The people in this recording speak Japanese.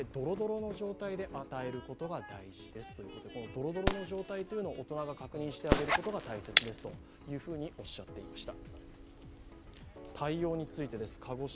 ドロドロの状態というのを大人が確認してあげるのが大切ですというふうにおっしゃっていました。